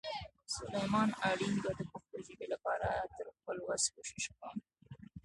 سلیمان آرین به د پښتو ژبې لپاره تر خپل وس کوشش کوم.